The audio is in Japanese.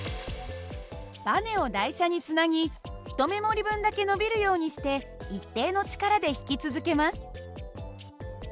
ばねを台車につなぎ１目盛り分だけ伸びるようにして一定の力で引き続けます。